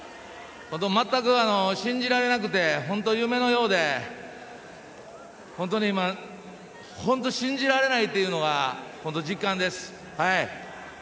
全く信じられなくて本当、夢のようで本当に信じられないというのが実感です。